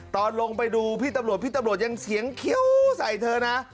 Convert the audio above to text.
ตอนลงไปดูพี่ตำรวจพี่ตำรวจยังเสียงเคี้ยวใส่เธอนะ